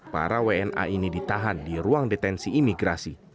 para wna ini ditahan di ruang detensi imigrasi